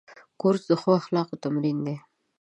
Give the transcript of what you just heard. کورس د ښو اخلاقو تمرین دی.